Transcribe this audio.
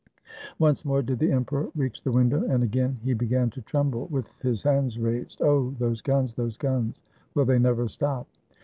Once more did the emperor reach the window, and again he began to tremble, with his hands raised. "Oh! those guns, those guns! Will they never stop?"